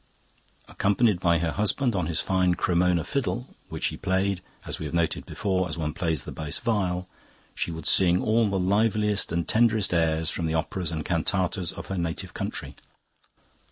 Accompanied by her husband on his fine Cremona fiddle, which he played, as we have noted before, as one plays a bass viol, she would sing all the liveliest and tenderest airs from the operas and cantatas of her native country.